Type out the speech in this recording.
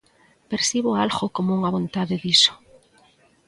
Percibo algo como unha vontade diso.